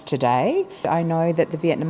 có tất cả những người ở việt nam